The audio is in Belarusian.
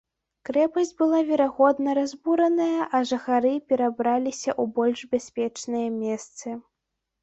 Крэпасць была, верагодна, разбураная, а жыхары перабраліся ў больш бяспечныя месцы.